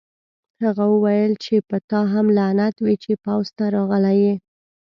هغه وویل چې په تا هم لعنت وي چې پوځ ته راغلی یې